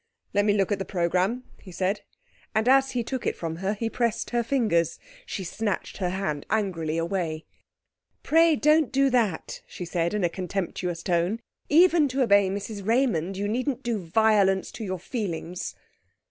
'Let me look at the programme,' he said. And as he took it from her he pressed her fingers. She snatched her hand angrily away. 'Pray don't do that,' she said in a contemptuous tone. 'Even to obey Mrs Raymond, you needn't do violence to your feelings!'